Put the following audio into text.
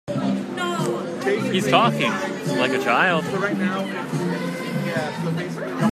He's talking like a child.